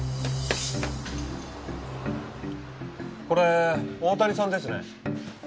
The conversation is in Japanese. これ大谷さんですね。